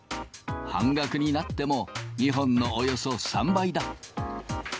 半額になっても、日本のおよそ３倍だ。